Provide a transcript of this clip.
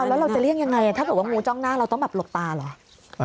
แล้วเราจะเลี่ยงยังไงถ้าเกิดว่างูจ้องหน้าเราต้องแบบหลบตาเหรอ